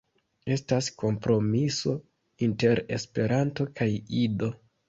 Estas kompromiso inter Esperanto kaj Ido.